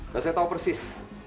dan saya tahu persis